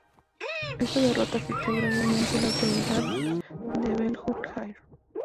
Esta derrota afectó gravemente la autoridad de Abu'l-Jayr.